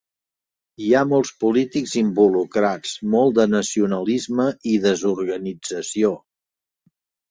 Hi ha molts polítics involucrats, molt de nacionalisme i desorganització.